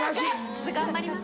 ちょっと頑張ります。